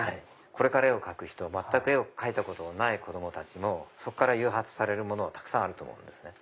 これから絵を描く人全く絵を描いたことのない子供たちもそっから誘発されるものはたくさんあると思うんですね。